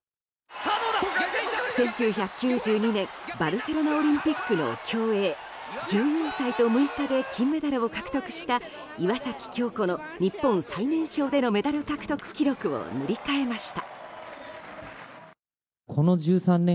１９９２年バルセロナオリンピックの競泳１４歳と６日で金メダルを獲得した岩崎恭子の日本最年少でのメダル獲得記録を塗り替えました。